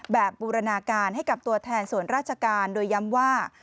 บูรณาการให้กับตัวแทนส่วนราชการโดยย้ำว่า